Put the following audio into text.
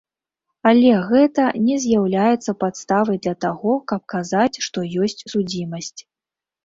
Але гэта не з'яўляецца падставай для таго, каб казаць, што ёсць судзімасць.